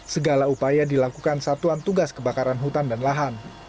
segala upaya dilakukan satuan tugas kebakaran hutan dan lahan